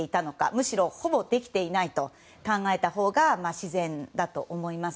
むしろ、ほぼできていないと考えたほうが自然だと思います。